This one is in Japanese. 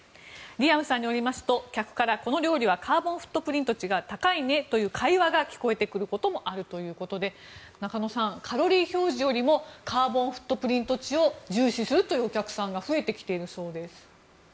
リアムさんによりますと客から、この料理はカーボンフットプリント値が高いねという会話が聞こえてくることもあるということで中野さん、カロリー表示よりもカーボンフットプリント値を重視するというお客さんが増えてきているようです。